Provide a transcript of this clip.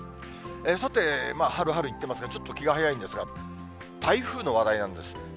さて、春、春言ってますが、ちょっと気が早いんですが、台風の話題なんです。